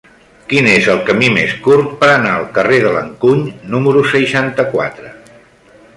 Quin és el camí més curt per anar al carrer de l'Encuny número seixanta-quatre?